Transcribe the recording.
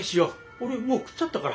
俺もう食っちゃったから。